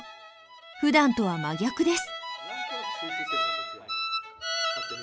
ふだんとは真逆です。